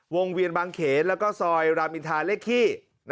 วงวิยบังเขรและสอยรามินทาเรกขี้